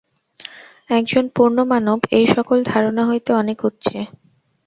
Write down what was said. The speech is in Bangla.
একজন পূর্ণমানব এই-সকল ধারণা হইতে অনেক উচ্চে।